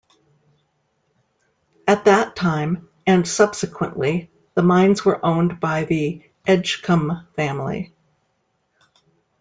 At that time and subsequently, the mines were owned by the Edgcumbe family.